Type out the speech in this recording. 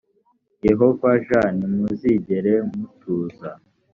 yehova j ntimuzigere mutuza